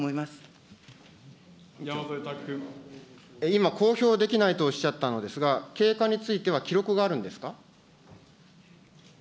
今、公表できないとおっしゃったのですが、経過については記録があるんですか。